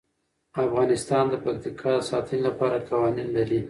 افغانستان د پکتیکا د ساتنې لپاره قوانین لري.